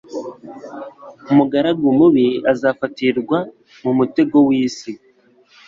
umugaragu mubi azafatirwa mu mutego w'isi.